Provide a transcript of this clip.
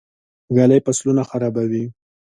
ږلۍ فصلونه خرابوي.